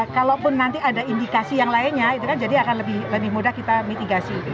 kalaupun nanti ada indikasi yang lainnya jadi akan lebih mudah kita mitigasi